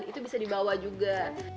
itu bisa dibawa juga